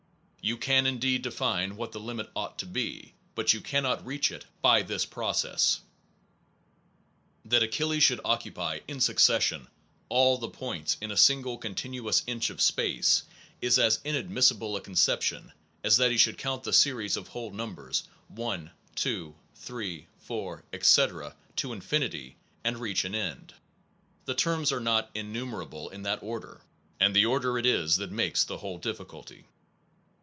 You can indeed define what the limit ought to be, but you cannot reach it by this process. That Achilles should occupy in suc cession all the points in a single continuous inch of space, is as inadmissible a conception as that he should count the series of whole num bers 1, 2, 3, 4, etc., to infinity and reach an end. The terms are not enumerable in that order; and the order it is that makes the whole diffi culty.